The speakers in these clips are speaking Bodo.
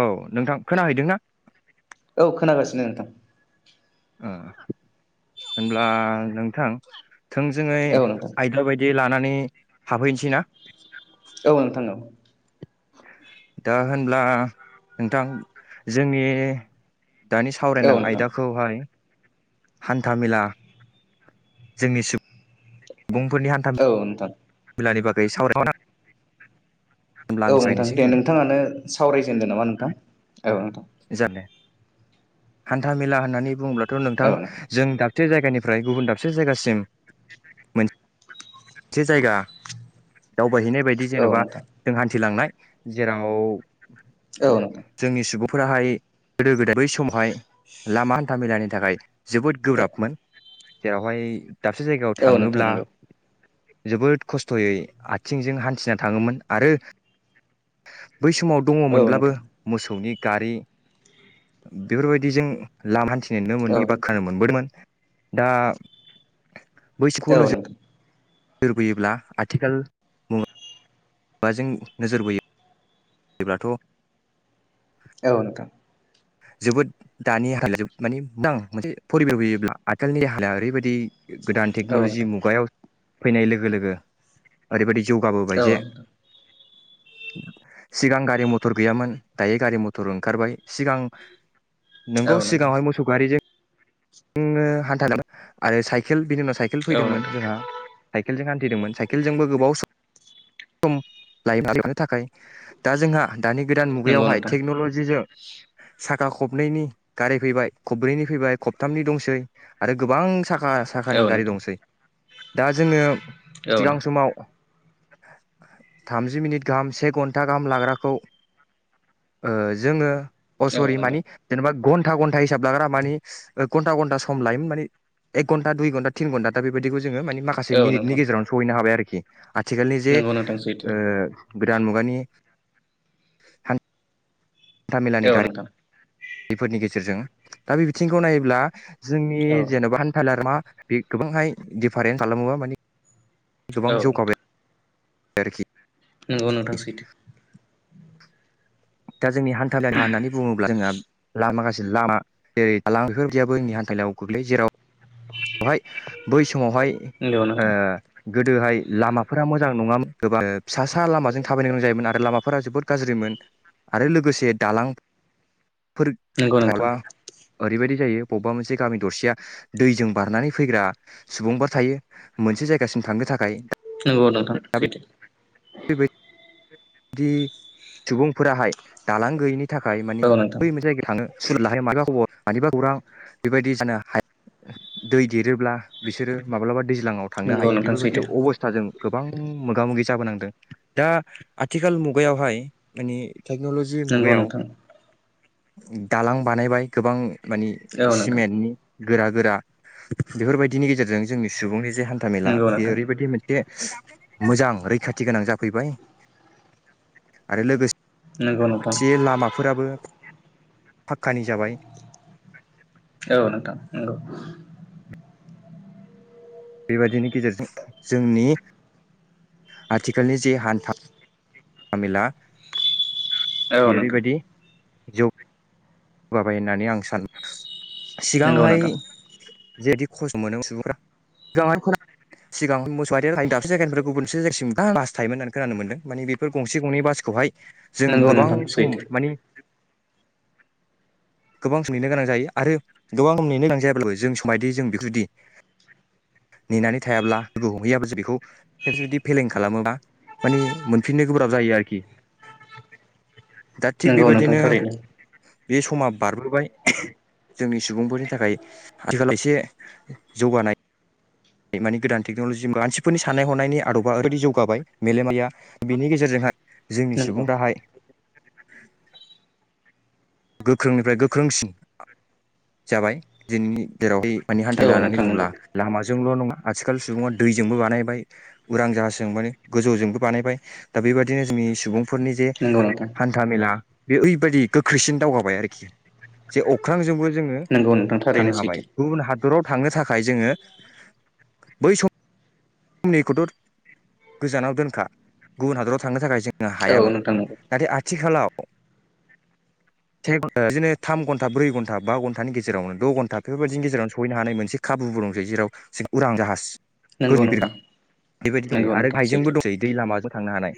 औ नोंथां खोनाहैदों ना औ खोनागासिनो नोंथां ओ होनब्ला नोंथां थोंजोङै औ नोंथां आयदा बायदि लानानै हाबहैनोसै ना औ नोंथां औ दा होनब्ला नोंथां जोंनि दानि औ सावरायनां नोंथां आयदाखौहाय हान्था मेला जोंनि सुबुं औ नोंथां मिलानि बागै सावराय औ नोंथां दे नोंथाङानो सावरायजेनदो नामा नोंथां औ नोंथां जानोे हान्थामेला होननानै बुङोब्लाथ' नोंथां जों मोनसे जायगानिफ्राय गुबुन दाबसे जायगासिम मोन मोनसे जायगा दावबायहैनाय बायदि औ जेनेबा नोंथां जों हान्थिलांनाय जेराव औ नोंथां जोंनि सुबुं फोराहाय गोदो गोदाय बै समावहाय लामा हान्था मेलानि थाखाय जोबोद गोब्राबमोन जेरावहाय दाबसे जायगायाव औ नोंथां थाङोब्ला नंगौ जोबोद खस्थ'यै आथिंजों हान्थिना थाङोमोन आरो बै समाव औ दङमोनब्लाबो नोंथां मोसौनि गारि बेफोरबायदिजों लामा हान्थिनाय नुनो मोनदों औ एबा नोंथां खोनानो मोनबोदोंमोन दा बैसोरखौ औ नोंथां औ नोजो नोंथां र बोयोब्ला आथिखाल मुङा बा जों नोजोर बोयोब्लाथ' औ नोंथां जोबोद दानि हाया मानि मदां मोनसे फरिबे होयोब्ला आथिखालनि [unintelligible] ओरैबायदि गोदान औ नोंथां औ टेक्न'लजि नोंथां मुगायाव फैनाय लोगो लोगो ओरैबायदि औ जौगाबोबाय जे नोंथां सिगां गारि मथर गैयामोन दायो गारि मथर ओंखारबाय सिगां नोंगौ नंगौ सिगाङावहाय मोसौ गारिजों जोंङो हान्थ आरो साइकेल बिनि उनाव साइकेल फैदोंमोन जोंहा साइकेलजों हान थिदोंमोन साइकेलजों बो गोबाव सम सम लायोमोन थाखाय दा जोंहा दानि गोदान मुगायावहाय नोंथां टेक्न'लजिजों सा खा खबनैनि गाराय फैबाय खब्रैनि फैबाय खबथामनि दंसै आरो गोबां साखा साखा साखानि औ गारि नोंथां दंसै दा जोङो औ सिगां नोंथां समाव थामजि मिनिट गाहाम से घन्टा गाहाम लाग्राखौ ओ जोङो अ औ असरि मानि नोंथां जेनेबा घन्टा घन्टा हिसाब लाग्रा मानि घन्टा घन्टा सम लायोन मान एक घन्टा दुइ घन्टा थिन घन्टा दा बेबादिखौ जोङो माखासे औ मिनिटनि नोंथां गेजेरावनो सहैनो हाबाय आरोखि आथिखालनि जे नंगौ नोंथां सैथो ओ गोदान मुगानि औ नोंथां बेफोरनि गेजेरजों दा बे बिथिंखौ नायोब्ला जोंनि औ जेन'बा हान्था बे गोबांहाय दिडिफारेन्स खालामो माने गोबां औ नोंथां जौगाबाय आरोखि नंगौ नोंथां सैथो दा जोंनि हान्था मेला होननानै बुङोब्ला जोंहा लामा गासि लामा जेरै दालां बेफोरबायदियाबो जोंनि हान्था मेलायाव गोग्लैयो जेराव बेवहाय बै समावहाय नंगौ ओ नोंथां गोदोहाय लामाफोरा मोजां नङामोन गोबां फिसा सा लामाजों थाबायनो गोनां जायोमोन आरो लामाफोरा जोबोद गाज्रिमोन। आरो लोगोसे दालां नंगौ नोथां। ओरैबायदि जायो बबेबा मोनसे गामि दरसेया दैजों बारनानै फैग्रा सुबुंफोर थायो मोनसे जायगासिम थांनो थाखाय। दा नोंगौ नोंथां सैथो। बेबायदि बि सुबुंफोराहाय दालां गैयिनि थाखाय मानि औ नोंथां बै मोनसे जायगायाव थाङो। सुलाद लाहायो मानिबा खबर मानिबा खौरां बेबायदि [unintelligible] दै देरोब्ला बिसोरो माब्लाबा दैज्लाङाव थांनो नंगौ हायो नोंथां बेफोरबायदि सैथो अबस्थाजों गोबां मोगा -मोगि जाबोनांदों दा आथिखाल मुगायावहाय मानि टेक्न'लजि नंगौ मुगायाव नोंथां दालां बानायबाय गोबां मानि औ नोंथां सिमेन्टनि गोरा- गोरा बेफोरबायदिनि गेजेरजों जोंनि सुबुंनि जे हान्थाामेला नंगौ बे नोंथां ओरैबायदि मोनसे मोजां रैखाथि गोनां जाफैबाय आरो लोगोसे नंगौ नोंथां एसे लामाफोराबो फाक्कानि जाबाय। औ नोंथां नंगौ। बेबादिनि गेजेरजों जोंनि आथिखालनि जि हान्था -हानथामेला औ नोंथां ओरैबायदि [unintelligible] [unintelligible] होननानै आं सानो नंगौ सिगांहाय नोंथां जेदि खस्थ' मोनो सुबुंफ्रा गोबाङानो [unintelligible] सिगां [unintelligible] दाबसे जायगानिफ्राय गुबुनसे जायगासिम बास थायोमोन होननानै खोनानो मोनदों मानि बेफोर गंसे गंनै बासखौहाय जों नंगौ गोबां नोंथां सम सैथो माने [unintelligible] गोबां सम नेनो गोनां जायो आरो गोबां नेनो गोनां जायाब्लाबो जों समायदि जों बेफोरदि नेनानै थायाब्ला लोगो हमहैयाबो जों बेखौ खेबसे जुदि फेलें खालामोबा माने मोनफिननो गोब्राब जायो आरोखि दा थिग नंगौ नोंथां बेबादिनो थारैनो बे समा बारबोबाय। जोंनि सुबुंफोरनि थाखाय आथिखाल एसे जौगानाय मानि गोदान टेक्न'लजि मानसिफोरनि साननाय- हनायनि आदबा ओरैबायाददि जौगाबाय मेलेमाया बेनि गेजेरजोंहाय जोंनि नंगौ सुबुं दाहाय गोख्रोंनिफ्राय गोख्रोंसिन जाबाय दिनैनि जेरावहाय माने औ [unintelligible] नोंथां बुङोब्ला नंगौ लामाजोंल' नङा आथिखाल सुबुङा दैजोंबो बानायबाय उरां जाहाजों माने गोजौजोंबो बानायबाय दा बेबायदिनो जों सुबुंफोरनि जे नंगौ नोंथां हान्था -मेला बे ओरैबायदि गोख्रैसिन दावगाबाय आरोखि जे अख्रांजोंबो जोङो नंगौ नोंथां थांनो थारैनो हाबाय सैथो गुबुन [unintelligible] [unintelligible] थांनो थाखाय जोङो बै सम जोंनिखौथ' गोजानाव दोनखा गुबुन हादराव थांनो थाखाय जों औ हायामोन नोंथां नंगौ नाथाय आथिखालाव से गनटा बिदिनो थाम घन्टा ब्रै घन्टा बा घन्टानि गेजेरावनो द' घन्टा बेफोरबायदिनि गेजेराव सौहैनो हानाय मोनसे खाबु [unintelligible] दंसै जेराव उरां जाहाज। नंगौ गोजौनि बिरग्रा नोंथां बेबायदि दंसै नंगौ आरो नोंथां गाहायजोंबो सैथो दंसै दै लामाजों थांनो हानाय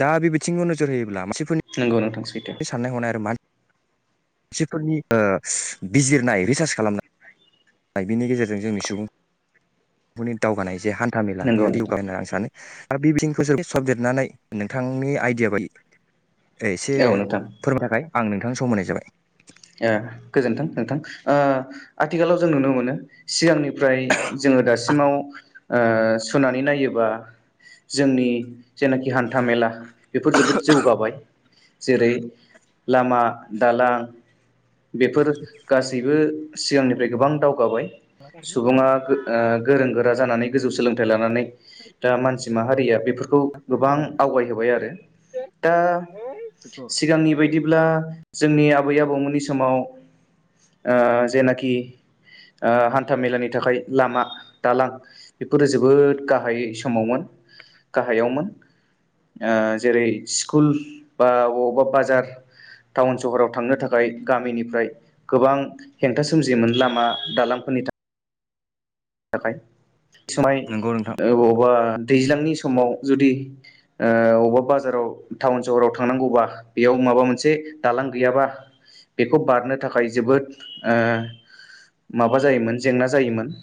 दा बे बिथिंखौ नोजोर होयोब्ला मानसिफोरनि नंगौ नोंथां सैथो। साननाय हनाय मानसिफोरनि बिजिरनाय रिसार्च खालामनाय। बिनि गेजेरजों जोंनि सुबुं बेफोरनि दावगानाय जे हान्था मेला नंगौ बेयो नोंथां जौगानाय होननानै आं सानो। दा बे बिथिंखौसो सबदेरनानै नोंथांनि आइडिया बायदि एसे औ नोंथां फोरमायनो थाखाय आं नोंथांनो सम होनाय जाबाय गोजोन्थों नोंथां आथिखालाव जों नुनो मोनो सिगांनि ओमफ्राय जोङो दासिमाव सुनानै नायोबा जोंनि जेनाखि हान्था मेला बेफोर जोबोद जौगाबाय जेरै लामा दालां बेफोर गासैबो सिगांनिफ्राय गोबां दावगाबाय सुबुङा गोरों गोरा जानानै गोजौ सोलोंथाइ लानानै दा मानसि माहारिया बे बेफोरखौ गोबां आवगायहोबाय आरो दा सिगांनि बायदिब्ला जोंनि आबै आबौमोननि समाव जेनाखि हान्था मेलानि थाखाय लामा दालां बेफोरो जोबोद गाहाय समावमोन गाहायावमोन जेरै स्कुल बा बबावबा बाजार टाउन सहराव थांनो थाखाय गामिनिफ्राय गोबां हेंथा सोमजियोमोन लामा दालांफोरनि थाखाय बेसमाय नंगौ नोंथां बबावबा दैज्लांनि समाव जुदि अबेबा बाजाराव टाउन सहराव थांनांगौबा बेयाव माबा मोनसे दालां गैयाबा बेखौ बारनो थाखाय जोबोद माबा जायोमोन जेंना जायोमोन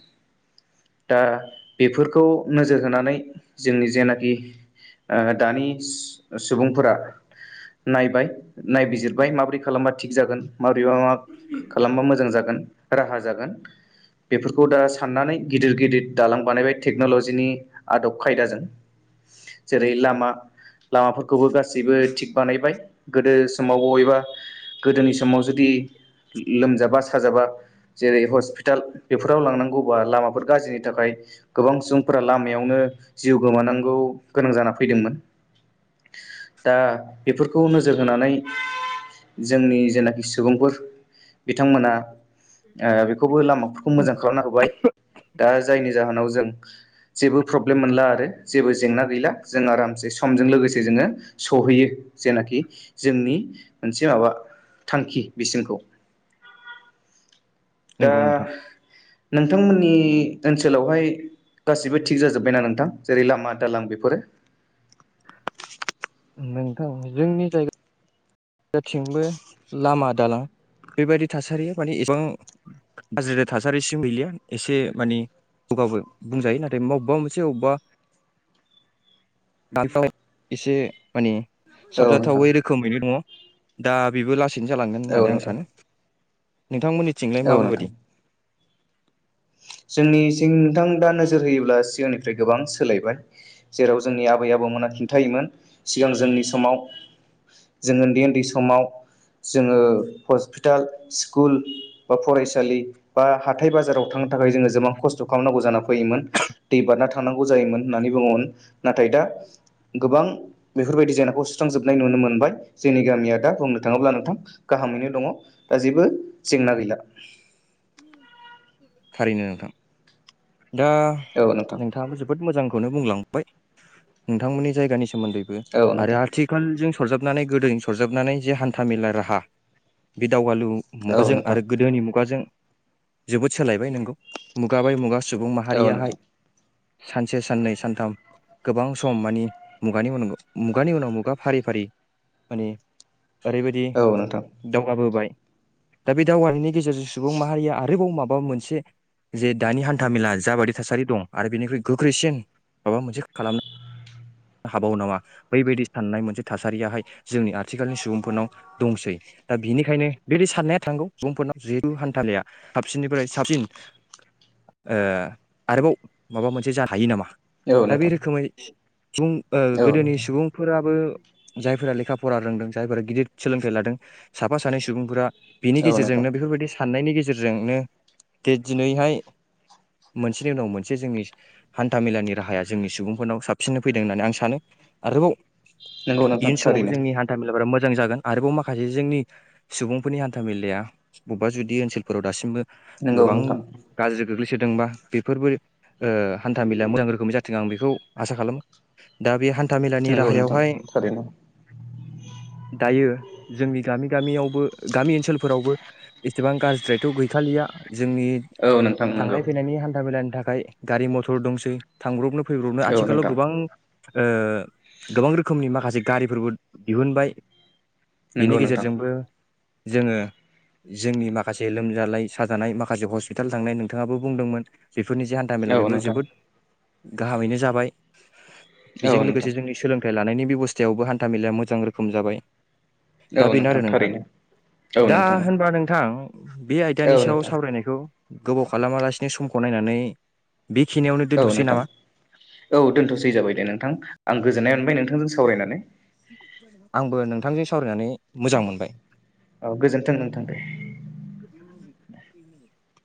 दा बेफोरखौ नोजोर होनानै जोंनि जेनाखि दानि सुबुंफोरा नायबाय नायबिजिरबाय माबोरै खालामबा थिग जागोन माबोरैबा मा खालामबा मोजां जागोन राहा जागोन बेफोरखौ दा साननानै गिदिर गिदिर दालां बानायबाय टेक्न'लजिनि आदब खायदाजों जेरै लामा लामाफोरखौबो गासैबो थिग बानायबाय गोदो समाव बबेबा गोदोनि समाव जुदि लोमजाबा साजाबा जेरै हस्पिटाल बेफोराव लांनांगौ बा लामाफोर गाज्रिनि थाखाय गोबां सुबुंफोरा लामायावनो जिउ गोमानांगौ गोनां जानानै फैदोंमोन दा बेफोरखौ नोजोर होनानै जोंनि जेनाखि सुबुंफोर बिथांमोना बेखौबो लामाफोरखौ मोजां खालामना होबाय दा जायनि जाहोनाव जों जेबो प्रब्लेम मोनला आरो जेबो जेंना गैला जों आरामसे समजों लोगोसे जोङो सहैयो जेनाखि जोंनि मोनसे माबा थांखि बिसिमखौ [inaudible] दा नंगौ नोंथां नोंथांमोननि ओनसोलावहाय गासिबो थिग जाजोब्बायना नोंथां जेरै लामा दालां बेफोरो? नोंथां जोंनि जायगा [unintelligible] [unintelligible] [unintelligible] [unintelligible] औ नोंथां साबजाथावै रोखोमैनो दङ दा बेबो लासैनो जालांगोन औ होननानै आं नोंथां सानो नोंथांमोननिथिंलाय औ माबे बायदि जोंनि नोंथां दा नोजोर होयोब्ला सिगांनिफ्राय गोबां सोलायबाय जेराव जोंनि आबै आबौमोना खिन्थायोमोन सिगां जोंनि समाव जों उन्दै उन्दै समाव [unintelligible] थाखाय जोङो गोबां खस्थ' खालामनांगौ जाना फैयोमोन दै बारना थांनांगौ जायोमोन होननानै बुङोमोन नाथाय दा गोबां बेफोरबायदि जेंनाखौ सुस्रांजोबनाय नुनो मोनबाय। जोंनि गामिया दा बुंनो थाङोब्ला नोंथां गाहामैनो दङ दा जेबो जेंना गैला। थारैनो नोंथां दा औ नोंथां नोंथाङाबो जोबोद मोजां खौनो बुंलांबाय नोंथांमोननि जायगानि सोमोन्दैबो औ आरो नोंथां आथिखालजों सरजाबनानै गोदोनि सरजाबनानै जे हान्था मेला राहा बे दाव गालु औ मुगाजों नोंथां आरो गोदोनि मुगाजों जोबोद सोलायबाय नोंगौ मुगा बाय मुगा सुबुं औ माहारियाहाय नोंथां सानसे साननै सानथाम गोबां सम माने मुगानि उनाव मुगानि उनाव मुगा फारि फारि माने ओरैबायदि औ नोंथां दावगाबोबाय दा बे दावगानायनि गेजेर सुबुं माहारिया आरोबाव माबा मोनसे जे दानि हान्था-मेला जाबायदि थासारि दं आरो बेनिख्रुइ गोख्रैसिन माबा मोनसे खालामनो हाबावो नामा बैबायदि साननाय मोनसे थासारियाहाय जोंनि आथिखालनि सुबुंफोरनाव दंसै। दा बिनिखायनो बेदि साननाया थांगौ सुबुंफोरनाव। [unintelligible] साबसिननिफ्राय साबसिन ओ आरोबाव माबा मोनसे जा हायो नामा? औ दा बे नोंथां रोखोमै सुबुं ओ औ गोदोनि नोंथां सुबुंफोराबो जायफोरा लेखा फरा रोंदों जायफोरा गिदिर सोलोंथाइ लादों साफा सानै सुबुंफोरा बिनि औ नोंथां गेजेरजोंनो बेफोरबायदि साननायनि गेजेरजोंनो दे दिनैहाय मोनसेनि उनाव मोनसे जोंनि हान थामेलानि राहाया जोंनि सुबुंफोरनाव साबसिननो फैदों होननानै आं सानो आरोबाव नंगौ नोंथां इयुन समावबो थारैनो जोंनि हान्था मेलाफोरा मो जां जागोन आरोबाव माखासे जोंनि सुबुंफोरनि हान्था मेलाया बबेबा जुदि ओनसोलफोराव दासिमबो नंगौ गोबां नोंथां गाज्रि गोग्लैसोदोंबा बेफोरबो ओ हान्था मेलाया मोजां रोखोमनि जाथों आं बेखौ आसा खालामो दा बे हान था-मेलानि नंगौ नोंथां राहायावहाय थारैनो दायो जोंनि गामि गामियावबो गामि ओनसोलफोरावबो एसेबां गाज्रिद्रायथ' गैखालिया जोंनि औ नोंथां नंगौ थांनाय फैनायनि हान्था मेलानि थाखाय गारि मथर दंसै थांब्रबनो फैब्रबनो औ आथिखालाव नोंथां गोबां ओ गोबां रोखोमनि माखासे गारिफोरबो दिहुनबाय। बेनि नंगौ नोंथां गेजेरजोंबो जोङो जोंनि माखासे लोमजानाय साजानाय माखासे हस्पिटाल थांनाय नोंथाङाबो बुंदोंमोन बेफोरनि जे हान्था मेला औ बेबो नोंथां जोबोद गाहामैनो जाबाय। औ बेजों नोंथां लोगोसे जोंनि सोलोंथाइ लानायनि बेब'स्थायावबो हान्था मेलाया मोजां रोखोम जाबाय। दा औ बेनो आरो नोंथां थारैनो औ दा नोंथां औ होन बा नोंथां बे आयदानि औ सायाव नोंथां सावरायनायखौ गोबाव खालामालासिनो समखौ नायनानै बेखिनियावनो औ दोनथ'सै नोंथां नामा औ दोनथ'सै जाबाय दे नोंथां आं गोजोननाय मोनबाय नोंथांजों सावरायनानै। आंबो नोंथांजों सावरायनानै मोजां मोनबाय औ गोजोनथों नोंथों दे।